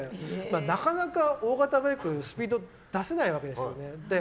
なかなか大型バイクスピード出せないんですよね。